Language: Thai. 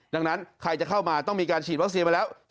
ดังนั้นใครจะเข้ามาต้องมีการฉีดวัคซีนมาแล้ว